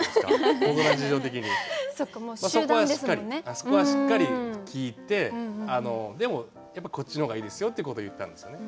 そこはしっかり聞いてでも「やっぱこっちの方がいいですよ」ってこと言ったんですよね。